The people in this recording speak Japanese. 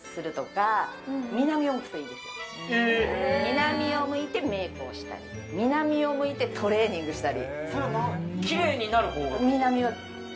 南を向いてメークをしたり南を向いてトレーニングしたり。